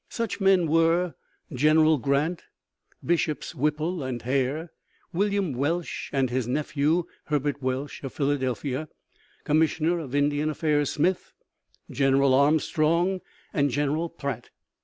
Such men were General Grant, Bishops Whipple and Hare, William Welsh and his nephew, Herbert Welsh of Philadelphia, Commissioner of Indian Affairs Smith, General Armstrong, and General Pratt.